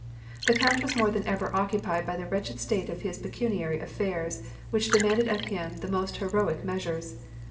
The count was more than ever occupied by the wretched state of his pecuniary affairs, which demanded of him the most heroic measures.